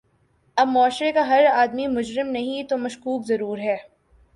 اب معاشرے کا ہر آدمی مجرم نہیں تو مشکوک ضرور ہے۔